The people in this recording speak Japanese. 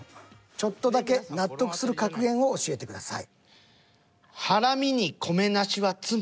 ちょっとだけ納得する格言を教えてください。